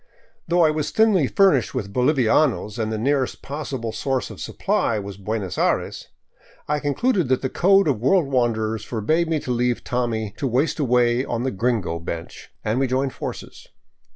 Though I was thinly furnished with bolivianos and the nearest possible source of supply was Buenos Aires, I concluded that the code of world wanderers forbade me to leave Tommy to waste away on the " gringo bench," and we joined forces.